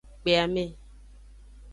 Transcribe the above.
Kpe ame.